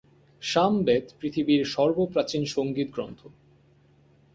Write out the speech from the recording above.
সামবেদ পৃথিবীর সর্বপ্রাচীন সংগীত গ্রন্থ।